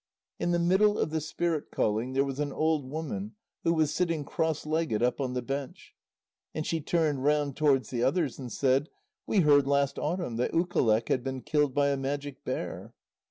In the middle of the spirit calling, there was an old woman who was sitting cross legged up on the bench, and she turned round towards the others and said: "We heard last autumn that Ukaleq had been killed by a Magic Bear."